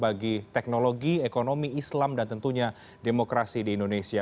bagi teknologi ekonomi islam dan tentunya demokrasi di indonesia